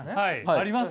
あります？